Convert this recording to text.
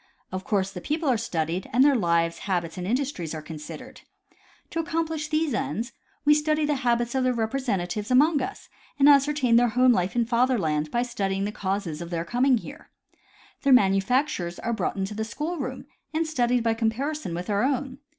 Of course the people are studied, and their lives, habits and industries are considered. To accomplish these ends we study the habits of their repre sentatives among us and ascertain their home life in fatherland by studying the causes of their coming here. Their manufact ures are brought into the school room and studied by compari son with our own.